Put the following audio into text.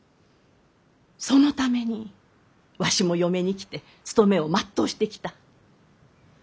そのためにわしも嫁に来て務めを全うしてきた。